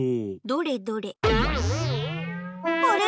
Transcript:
どれどれ。